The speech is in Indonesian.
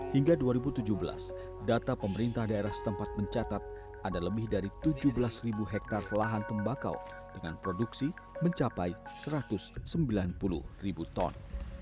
hingga dua ribu tujuh belas data pemerintah daerah setempat mencatat ada lebih dari tujuh belas ribu hektare lahan tembakau dengan produksi mencapai satu ratus sembilan puluh ribu ton